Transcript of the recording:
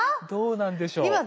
どうなんでしょう？